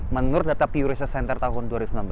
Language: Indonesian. menurut data pew research center tahun dua ribu sembilan belas